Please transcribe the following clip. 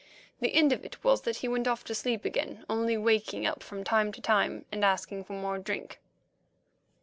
The end of it was that he went off to sleep again, only waking up from time to time and asking for more drink.